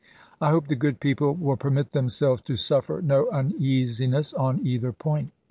I hope the good people will permit themselves to suffer no uneasiness on either point.